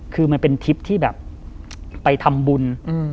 คือมันเป็นทริปที่แบบไปทำบุญ